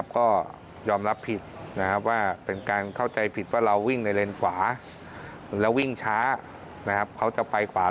ก็ยอมรับผิดว่าเป็นการเข้าใจผิดว่าเราวิ่งในเลนขวาแล้ววิ่งช้าเขาจะไปขวา